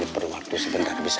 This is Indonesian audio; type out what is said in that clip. perlu waktu sebentar bisa